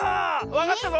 わかったぞ！